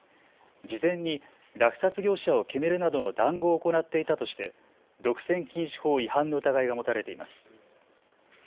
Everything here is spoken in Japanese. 事前に落札業者を決めるなどの談合を行っていたとして独占禁止法違反の疑いが持たれています。